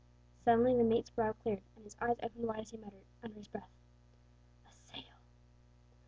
Suddenly the mate's brow cleared, and his eyes opened wide as he muttered, under his breath, "A sail!"